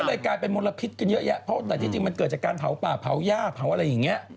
เลยกลายเป็นมลพิษกันเยอะแยะเพราะแต่ที่จริงมันเกิดจากการเผาป่าเผาย่าเผาอะไรอย่างนี้